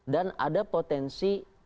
dan ada potensi